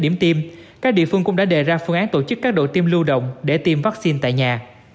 điểm tiêm các địa phương cũng đã đề ra phương án tổ chức các đội tiêm lưu động để tiêm vaccine tại nhà